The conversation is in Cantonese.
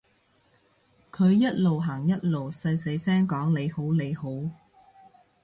佢一路行一路細細聲講你好你好